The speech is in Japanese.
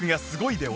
すごい！